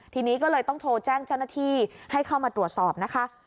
ทีนี้ก็เลยต้องโทรแจ้งเจ้าหน้าที่ให้เข้ามาตรวจสอบนะคะ